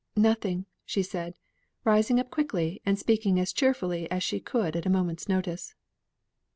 "Nothing," said she, rising up quickly, and speaking as cheerfully as she could at a moment's notice.